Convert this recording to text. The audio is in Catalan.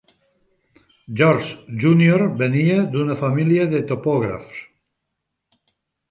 George Junior venia d'una família de topògrafs.